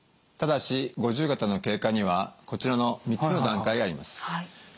ただし五十肩の経過にはこちらの３つの段階があります。